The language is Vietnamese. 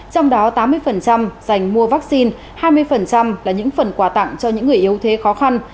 trong đó tám mươi dành mua vaccine hai mươi là những phần quà tặng cho những người yếu thế khó khăn